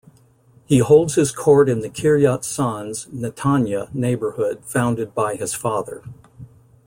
He holds his court in the Kiryat Sanz, Netanya neighborhood founded by his father.